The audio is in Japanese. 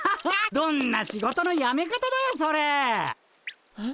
どんな仕事のやめ方だよそれ！えっ。